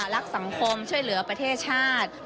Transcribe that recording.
รักสังคมช่วยเหลือประเทศชาติ